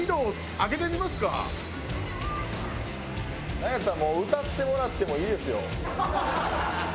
なんやったらもう歌ってもらってもいいですよ。